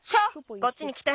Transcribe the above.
こっちにきて！